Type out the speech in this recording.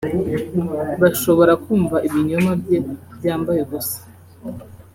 bashobora kumva ibinyoma bye byambaye ubusa